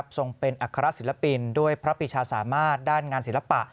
ทรงเป็นอัครศิลปินด้วยพระปิชาสามารถด้านงานศิลปะ